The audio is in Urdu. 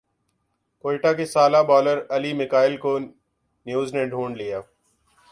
کوئٹہ کے سالہ بالر علی میکائل کو نیو زنے ڈھونڈ لیا